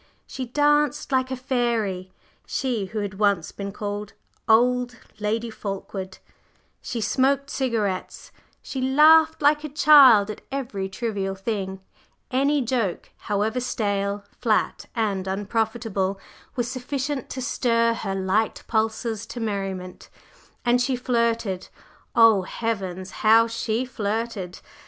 She danced like a fairy, she who had once been called "old" Lady Fulkeward; she smoked cigarettes; she laughed like a child at every trivial thing any joke, however stale, flat and unprofitable, was sufficient to stir her light pulses to merriment; and she flirted oh, heavens! how she flirted!